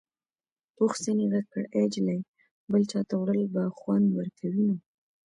پوخ سنې غږ کړ ای جلۍ بل چاته وړل به خوند ورکوي نو.